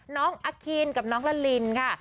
น้องอคีนกับน้องละลินค่ะ